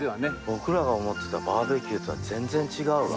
僕らが思ってたバーベキューとは全然違うわ。